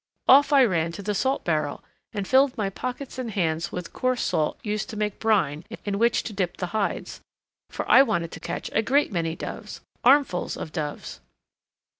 Off I ran to the salt barrel and filled my pockets and hands with coarse salt used to make brine in which to dip the hides; for I wanted to catch a great many doves armfuls of doves.